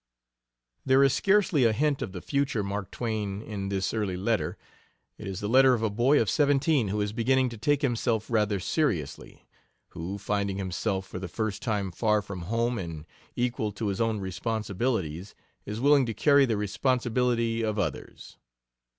There is scarcely a hint of the future Mark Twain in this early letter. It is the letter of a boy of seventeen who is beginning to take himself rather seriously who, finding himself for the first time far from home and equal to his own responsibilities, is willing to carry the responsibility of others.